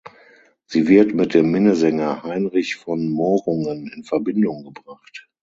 Sie wird mit dem Minnesänger Heinrich von Morungen in Verbindung gebracht.